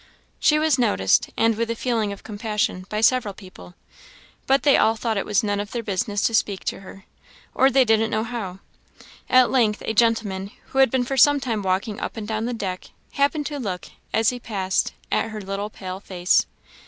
She was noticed, and with a feeling of compassion, by several people; but they all thought it was none of their business to speak to her, or they didn't know how. At length a gentleman, who had been for some time walking up and down the deck, happened to look, as he passed, at her little pale face.